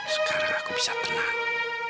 sekarang aku bisa tenang